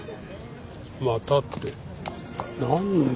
「また」ってなんだ？